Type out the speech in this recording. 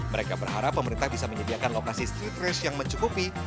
mereka berharap pemerintah bisa menyediakan lokasi street race yang mencukupi